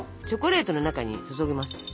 チョコレートの中に注ぎます。